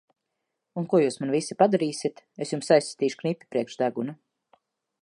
Un ko jūs man visi padarīsit! Es jums aizsitīšu knipi priekš deguna!